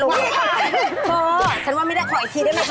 เธอฉันว่าไม่ได้ขออีกทีได้ไหมจ